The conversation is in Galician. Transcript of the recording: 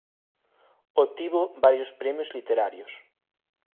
Obtivo varios premios literarios.